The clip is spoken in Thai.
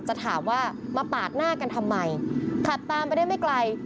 จะถามว่ามาปาดหน้ากันทำไมขับตามไปได้ไม่ไกล